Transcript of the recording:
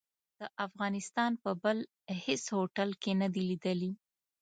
د افغانستان په بل هيڅ هوټل کې نه دي ليدلي.